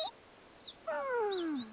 うん。